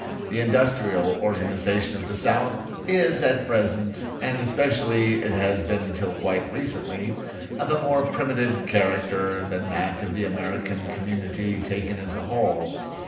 The industrial organization of the South is at present, and especially it has been until quite recently, of a more primitive character than that of the American community taken as a whole.